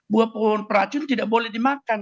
buah pohon peracun tidak boleh dimakan